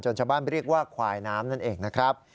ชาวบ้านเรียกว่าควายน้ำนั่นเองนะครับ